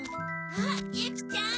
あっユキちゃん。